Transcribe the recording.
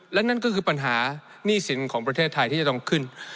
และนั่นก็คือปัญหาหนี้สินของประเทศไทยที่จะต้องขึ้น